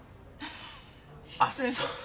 あっそう。